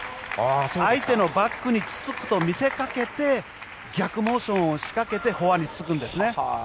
相手のバックにつつくと見せかけて逆モーションを仕掛けてフォアにつつくんですね。